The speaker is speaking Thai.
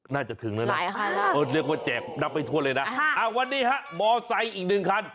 ถึงแล้วนะเรียกว่าแจกนับไปทั่วเลยนะวันนี้ฮะมอไซค์อีกหนึ่งคัน